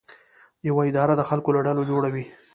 یوه اداره د خلکو له ډلو جوړه وي.